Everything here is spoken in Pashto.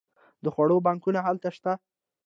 د خوړو بانکونه هلته شته.